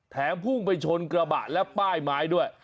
พุ่งไปชนกระบะและป้ายไม้ด้วย